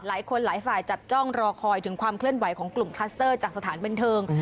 หลายคนหลายฝ่ายจับจ้องรอคอยถึงความเคลื่อนไหวของกลุ่มคลัสเตอร์จากสถานบันเทิง